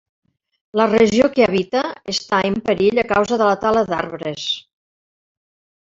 La regió que habita està en perill a causa de la tala d'arbres.